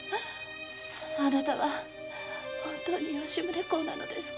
あなたは本当に吉宗公なのですか？